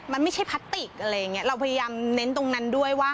มันไม่ใช่พลาสติกอะไรอย่างนี้เราพยายามเน้นตรงนั้นด้วยว่า